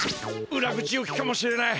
裏口行きかもしれない。